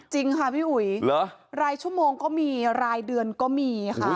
จริงค่ะพี่อุ๋ยรายชั่วโมงก็มีรายเดือนก็มีค่ะ